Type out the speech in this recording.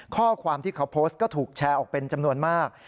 ข้อความที่เขาโพสต์ก็ถูกแชร์ออกเป็นจำนวนมาก